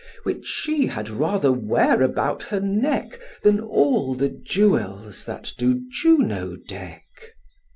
Which she had rather wear about her neck, Than all the jewels that do Juno deck."